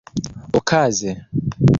okaze